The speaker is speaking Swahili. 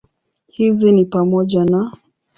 Hizi ni pamoja na